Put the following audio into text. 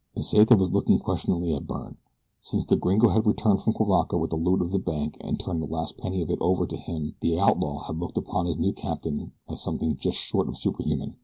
Pesita was looking questioningly at Byrne. Since the gringo had returned from Cuivaca with the loot of the bank and turned the last penny of it over to him the outlaw had looked upon his new captain as something just short of superhuman.